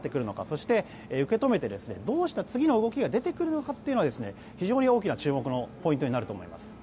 そして、どう受け止めてどんな次の動きが出てくるのかが非常に大きな注目のポイントになると思います。